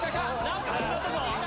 何か始まったぞ！